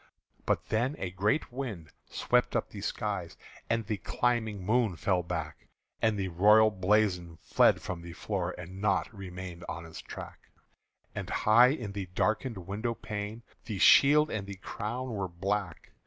But then a great wind swept up the skies, And the climbing moon fell back; And the royal blazon fled from the floor, And naught remained on its track; And high in the darkened window pane The shield and the crown were black.